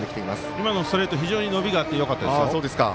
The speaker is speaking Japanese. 今のストレート非常に伸びがあってよかったです。